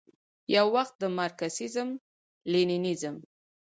یووخت د مارکسیزم، لیننزم،